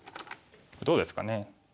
どうですかね。